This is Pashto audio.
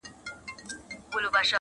• له خپل تخته را لوېدلی چي سرکار وي -